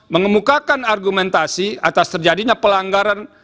mengemukakan argumentasi atas terjadinya pelanggaran